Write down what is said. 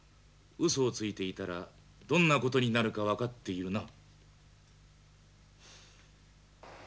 うそをついていたらどんな事になるか分かっているな。